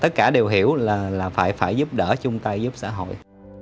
tất cả đều hiểu là phải giúp đỡ chúng ta giúp xã hội